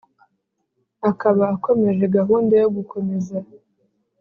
akaba akomeje gahunda yo gukomeza